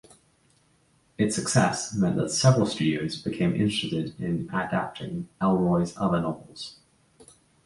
Its success meant that several studios became interested in adapting Ellroy's other novels.